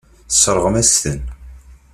Tesseṛɣem-as-ten.